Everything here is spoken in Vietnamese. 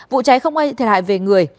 vụ cháy không ai thiệt hại về người